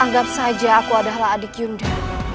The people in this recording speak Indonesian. anggap saja aku adalah adik yunda